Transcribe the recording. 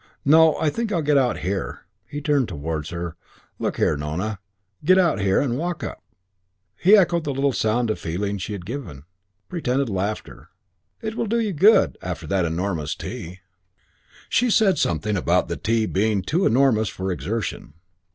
"No, I think I'll get out here." He turned towards her. "Look here, Nona. Get out here and walk up." He echoed the little sound of feeling she had given, pretended laughter. "It will do you good after that enormous tea." She said something about the tea being too enormous for exertion.